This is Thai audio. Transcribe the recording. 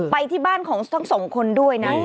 ไปที่บ้านของทั้งสองคนด้วยนะ